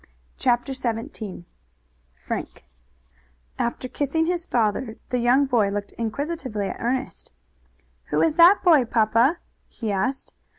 CHAPTER XVII FRANK After kissing his father the young boy looked inquisitively at Ernest. "Who is that boy, papa?" he asked.